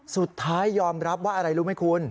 สุดท้ายยอมรับว่าอะไรรู้ไหมคุณ